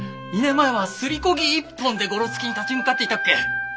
２年前はすりこ木一本でゴロツキに立ち向かっていたっけ。